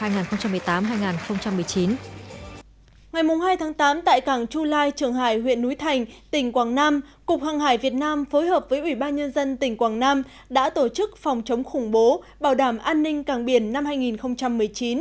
ngày hai tháng tám tại cảng chu lai trường hải huyện núi thành tỉnh quảng nam cục hàng hải việt nam phối hợp với ủy ban nhân dân tỉnh quảng nam đã tổ chức phòng chống khủng bố bảo đảm an ninh cảng biển năm hai nghìn một mươi chín